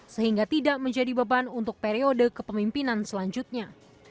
sehingga tidak menjadi beban untuk periode kepemimpinan selanjutnya